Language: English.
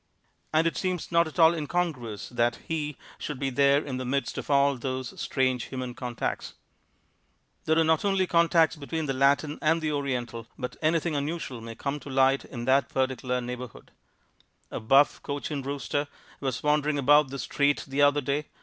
And it seems not at all incongruous that He should be there in the midst of all those strange human contacts. There are not only contacts between the Latin and the Oriental, but anything unusual may come to light in that particular neighborhood. A buff cochin rooster was wandering about the street the other day.